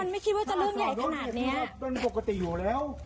มันปกติอยู่แล้ว